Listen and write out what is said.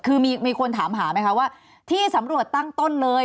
คือมีคนถามหาไหมคะว่าที่สำรวจตั้งต้นเลย